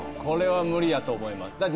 これは無理やと思います。